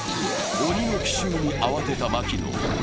鬼の奇襲に慌てた槙野。